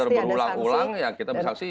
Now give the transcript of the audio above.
kalau bandel berulang ulang ya kita bersaksi